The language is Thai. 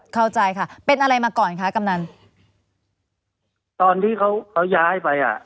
เข้าใจค่ะเป็นอะไรมาก่อนคะกำนันตอนที่เขาเขาย้ายไปอ่ะ